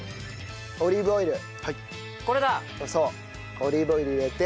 オリーブオイル入れて。